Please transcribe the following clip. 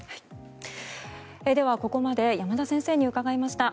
ではここまで山田先生に伺いました。